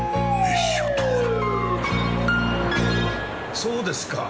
そうですか。